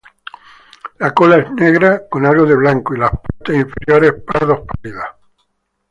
La cola es negra con algo de blanco y las partes inferiores pardo pálidos.